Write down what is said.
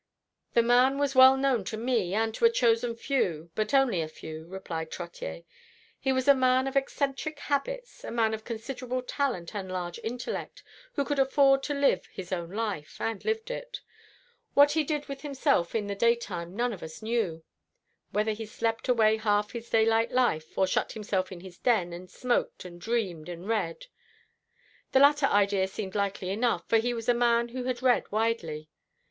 "The man was well known to me and to a chosen few, but only a few," replied Trottier. "He was a man of eccentric habits a man of considerable talent and large intellect, who could afford to live his own life, and lived it. What he did with himself in the daytime none of us knew: whether he slept away half his daylight life, or shut himself in his den and smoked and dreamed and read. The latter idea seemed likely enough, for he was a man who had read widely.